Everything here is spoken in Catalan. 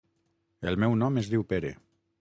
El meu nom es diu Pere.